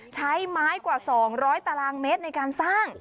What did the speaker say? ใช้ไม้กว่า๒๐๐ตารางเมตรในการสร้าง